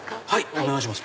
お願いします